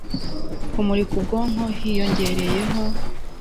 Kumurika ubwonko hiyongereyeho